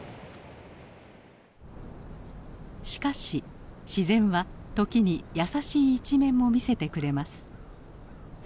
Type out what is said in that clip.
しかし自然は時に優しい一面も見せてくれます。